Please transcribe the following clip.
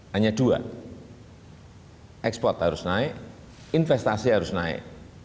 hanya dua ekspor harus naik investasi harus naik